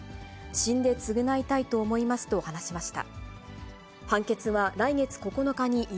死んで償いたいと思いますと話しました。